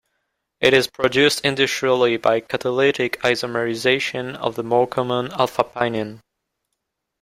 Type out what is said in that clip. It is produced industrially by catalytic isomerization of the more common alpha-pinene.